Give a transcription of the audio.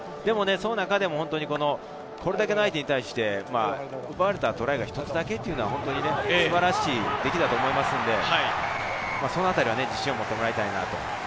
その中でもこれだけの相手に対して、奪われたトライが一つだけっていうのは、素晴らしい出来だと思いますので、そのあたりは自信を持ってもらいたいなと。